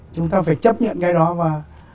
chúng ta phải chấp nhận cái đó và